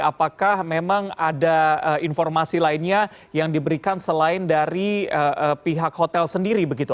apakah memang ada informasi lainnya yang diberikan selain dari pihak hotel sendiri begitu